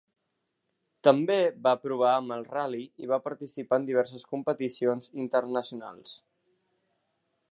També va provar amb el ral·li i va participar en diverses competicions internacionals.